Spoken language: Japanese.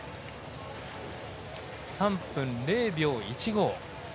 ３分０秒１５。